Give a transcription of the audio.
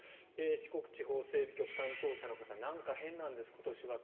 四国地方整備局担当者の方なんか変なんです、今年は。